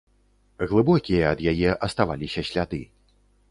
Глыбокія ад яе аставаліся сляды.